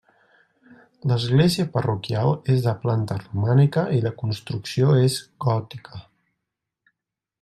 L'església parroquial és de planta romànica i la construcció és gòtica.